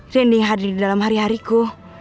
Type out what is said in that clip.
trending hadir di dalam hari hariku